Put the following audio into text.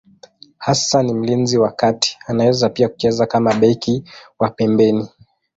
Hasa ni mlinzi wa kati, anaweza pia kucheza kama beki wa pembeni.